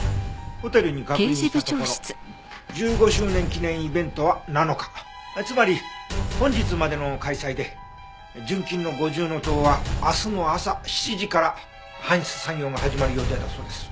ホテルに確認したところ１５周年記念イベントは７日つまり本日までの開催で純金の五重塔は明日の朝７時から搬出作業が始まる予定だそうです。